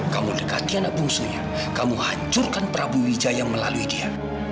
kamu dekati anak bungsunya kamu hancurkan prabu wijaya melalui dia